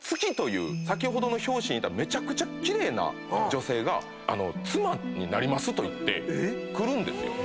先ほどの表紙にいためちゃくちゃ奇麗な女性が。と言って来るんですよ。